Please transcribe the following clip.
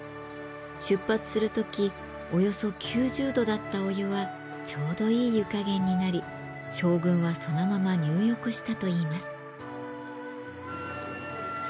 出発する時およそ９０度だったお湯はちょうどいい湯加減になり将軍はそのまま入浴したといいます。